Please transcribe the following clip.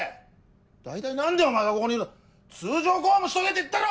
大体何でお前がここにいるんだ通常公務しとけって言ったろ！